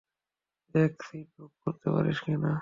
দ্যাখ, seat book করতে পারিস কিনা।